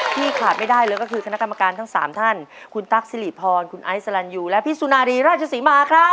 ขาดไม่ได้เลยก็คือคณะกรรมการทั้ง๓ท่านคุณตั๊กสิริพรคุณไอซลันยูและพี่สุนารีราชศรีมาครับ